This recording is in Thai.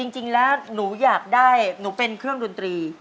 จริงแล้วหนูอยากได้หนูเป็นเครื่องดนตรี